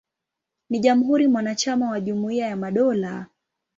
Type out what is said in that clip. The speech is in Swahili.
Ni jamhuri mwanachama wa Jumuiya ya Madola.